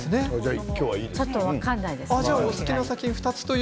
ちょっと分からないですね。